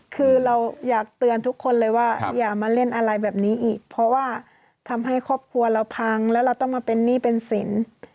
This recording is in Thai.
คือเราอยากเตือนทุกคนเลยว่าอย่ามาเล่นอะไรแบบนี้อีกเพราะว่าทำให้ครอบครัวเราพังแล้วเราต้องมาเป็นหนี้เป็นสิน